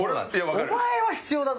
お前は必要だぞ。